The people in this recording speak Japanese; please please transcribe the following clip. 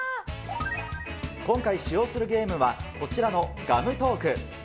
今回使用するゲームは、こちらのガムトーク。